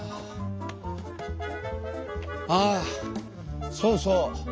あそうそう。